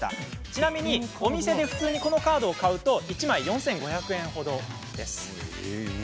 ちなみにお店でこのカードを普通に買うと１枚４５００円程です。